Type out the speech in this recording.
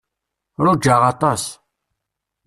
Rujaɣ aṭas.